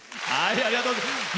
ありがとうございます。